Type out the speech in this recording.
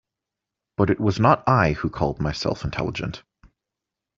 But it was not I who called myself intelligent.